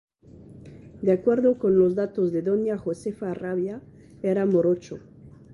De acuerdo con los datos de doña Josefa Rabia era morocho.